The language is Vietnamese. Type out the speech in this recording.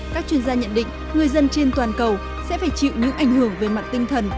các chuyên gia nhận định người dân trên toàn cầu sẽ phải chịu những ảnh hưởng về mặt tinh thần